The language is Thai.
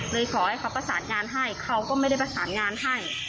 ขอให้เขาประสานงานให้เขาก็ไม่ได้ประสานงานให้